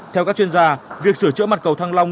theo các chuyên gia việc sửa chữa mặt cầu thăng long